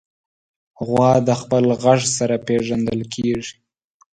غوا د خپل غږ سره پېژندل کېږي.